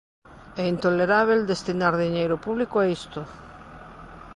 É intolerábel destinar diñeiro público a isto.